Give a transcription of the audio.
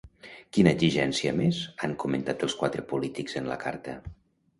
Quina exigència més han comentat els quatre polítics en la carta?